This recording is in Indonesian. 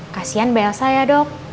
kasian mbak elsa ya dok